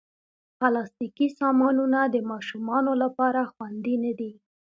پلاستيکي سامانونه د ماشومانو لپاره خوندې نه دي.